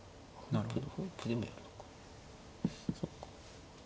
なるほど。